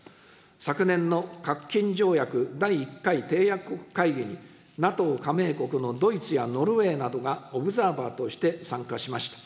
昨年の核禁条約第１回締約国会議に、ＮＡＴＯ加盟国のドイツやノルウェーなどがオブザーバーとして参加しました。